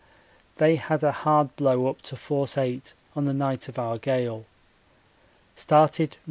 They had a hard blow up to force 8 on the night of our gale. Started N.W.